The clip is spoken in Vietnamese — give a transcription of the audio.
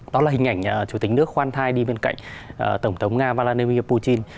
đó là hình ảnh chủ tịch nước khoan thai đi bên cạnh tổng thống nga vladimir putin